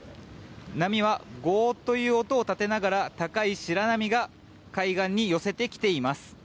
波はゴーという音を立てながら高い白波が海岸に寄せてきています。